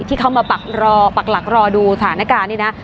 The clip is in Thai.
ที่เขามาปักรอปักหลักรอดูสถานการณ์นี่นะ